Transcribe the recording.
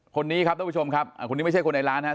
คนนี้ครับคุณผู้ชมครับคุณไม่ใช่ใบน้องร้านของเรา